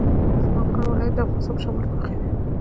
سمنګان ولایت د افغانستان په شمال کې واقع دی.